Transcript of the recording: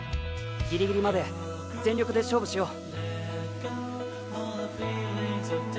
ギリギリまで全力で勝負しよう。